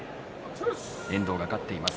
遠藤が勝っています。